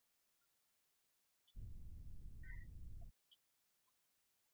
Kujaza vyeo ambavyo vimeachwa wazi tangu uchaguzi mkuu wa mwaka elfu mbili kumi na nane.